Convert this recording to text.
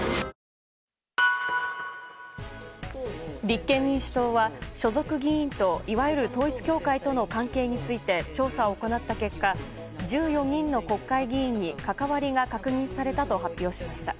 立憲民主党は所属議員といわゆる統一教会との関係について、調査を行った結果１４人の国会議員に関わりが確認されたと発表しました。